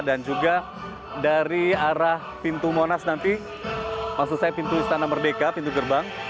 dan juga dari arah pintu monas nanti maksud saya pintu istana merdeka pintu gerbang